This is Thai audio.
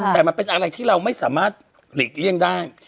แต่มันเป็นอะไรที่เราไม่สามารถหลีกเลี่ยงได้